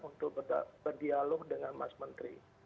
untuk berdialog dengan mas menteri